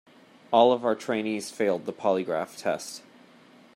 All of our trainees failed the polygraph test.